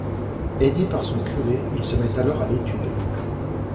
Aidé par son curé, il se met alors à l'étude.